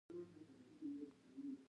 دا د امریکا په لویه وچه کې و.